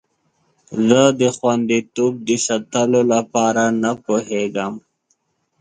زه د خوندیتوب د ساتلو لپاره نه پوهیږم.